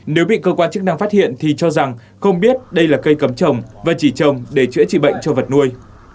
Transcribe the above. nếu bị cơ quan chức năng phát hiện thì cho rằng không biết đây là cây cấm trồng và chỉ trồng để chữa trị bệnh cho vật nuôi